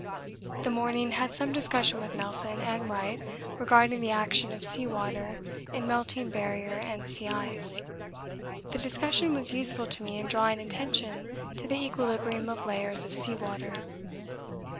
This morning had some discussion with Nelson and Wright regarding the action of sea water in melting barrier and sea ice. The discussion was useful to me in drawing attention to the equilibrium of layers of sea water.